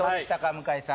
向井さん